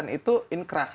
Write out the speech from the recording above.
dan itu inkrah